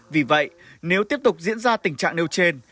vì vậy nếu tiếp tục diễn ra tình trạng nêu trên